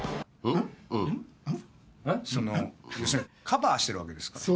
カバーしてるわけですから。